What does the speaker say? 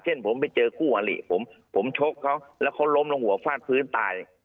เช่นผมไปเจอกู้อาหรี่ผมผมชกเขาแล้วเขารมลงหัวฟาดพื้นตาย